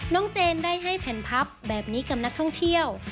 เจนได้ให้แผ่นพับแบบนี้กับนักท่องเที่ยว